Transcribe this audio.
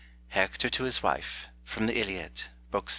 HECTOR TO HIS WIFE. FROM THE ILIAD, BOOK VI.